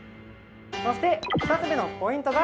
そして２つ目のポイントが。